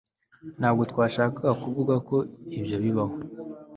ntabwo twashakaga kuvuga ko ibyo bibaho